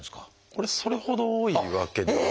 これそれほど多いわけでは。